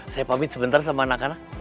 saya pamit sebentar sama anak anak